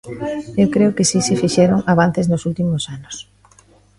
Eu creo que si que se fixeron avances nos últimos anos.